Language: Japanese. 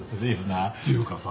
っていうかさ